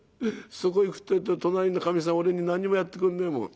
そこへいくってえと隣のかみさん俺に何にもやってくんねえもん。